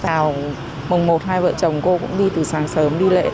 vào mùng một hai vợ chồng cô cũng đi từ sáng sớm đi lễ